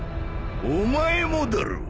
お前もだろう？